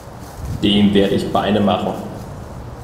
Dem werde ich Beine machen!